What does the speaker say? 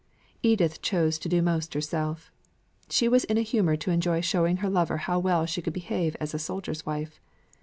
Edith chose to do most herself. She was in a humour to enjoy showing her lover how well she could behave as a soldier's wife.